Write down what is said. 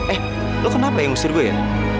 eh lo kenapa yang ngusir gue ya